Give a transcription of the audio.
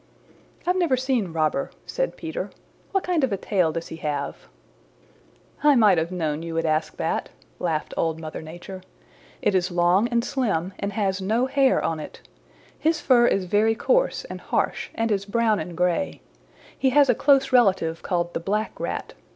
"I've never seen Robber," said Peter. "What kind of a tail does he have?" "I might have known you would ask that," laughed Old Mother Nature. "It is long and slim and has no hair on it. His fur is very coarse and harsh and is brown and gray. He has a close relative called the Black Rat.